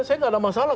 saya nggak ada masalah